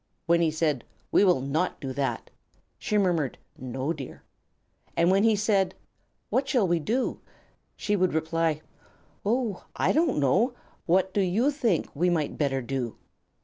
When he said, "We will not do that," she murmured, "No, dear." And when he said, "What shall we do?" she would reply, "Oh, I don't know. What do you think we might better do?"